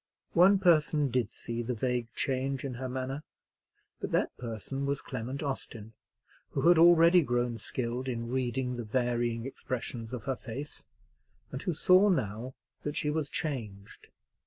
One person did see the vague change in her manner; but that person was Clement Austin, who had already grown skilled in reading the varying expressions of her face, and who saw now that she was changed.